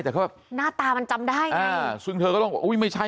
แต่เขาแบบหน้าตามันจำได้อ่าซึ่งเธอก็ต้องบอกอุ้ยไม่ใช่